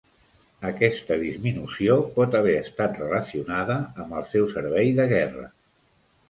Aquesta disminució pot haver estat relacionada amb el seu servei de guerra.